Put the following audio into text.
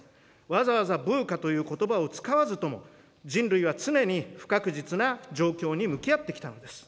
わざわざＶＵＣＡということばを使わずとも、人類は常に不確実な状況に向き合ってきたのです。